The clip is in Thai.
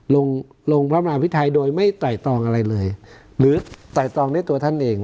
ลงลงพระมหาพิทัยโดยไม่ไต่ตองอะไรเลยหรือไต่ตองด้วยตัวท่านเอง